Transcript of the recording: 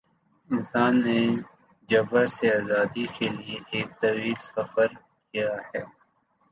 انسان نے جبر سے آزادی کے لیے ایک طویل سفر کیا ہے۔